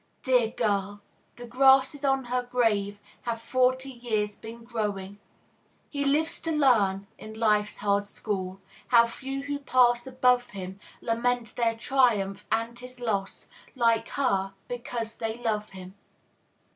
Dear girl: the grasses on her grave Have forty years been growing! He lives to learn, in life's hard school, How few who pass above him Lament their triumph and his loss, Like her, because they love him.